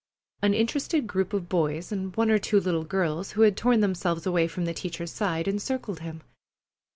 An interested group of boys and one or two little girls who had torn themselves away from the teacher's side encircled him.